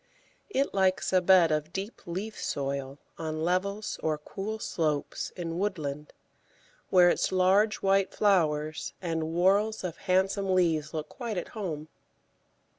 It likes a bed of deep leaf soil on levels or cool slopes in woodland, where its large white flowers and whorls of handsome leaves look quite at home.